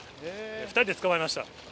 ２人で捕まえました。